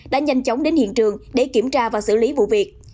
đã nhanh chóng đến hiện trường để kiểm tra và xử lý vụ việc